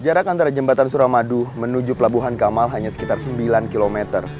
jarak antara jembatan suramadu menuju pelabuhan kamal hanya sekitar sembilan km